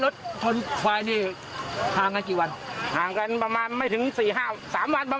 ถ้องแก่ด้วยชิดว่าจะตาย